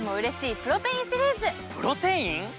プロテイン？